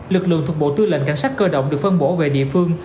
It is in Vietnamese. lực lượng thuộc bộ tư lệnh cảnh sát cơ động được phân bổ về địa phương